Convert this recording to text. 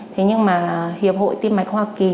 thế nhưng mà hiệp hội tiêm mạch hoa kỳ